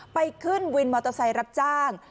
ไปขึ้นวินมอเตอร์ไซค์รับจ้าง